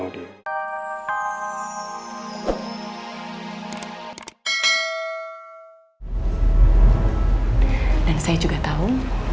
dan saya juga tahu